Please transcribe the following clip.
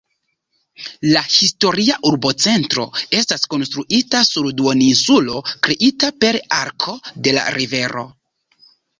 La historia urbocentro estas konstruita sur duoninsulo kreita per arko de la rivero.